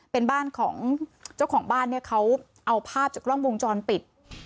เป็นบ้านของเจ้าของบ้านเนี่ยเขาเอาภาพจากกล้องวงจรปิด